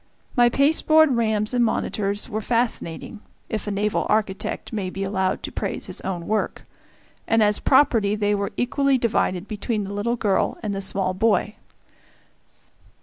My pasteboard rams and monitors were fascinating if a naval architect may be allowed to praise his own work and as property they were equally divided between the little girl and the small boy.